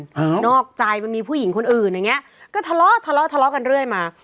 เปล่าออกใจว่ามีผู้หญิงคนอื่นอย่างเงี้ยก็ทะเลาวทะเลาวทะเลาวกันเรื่อยมา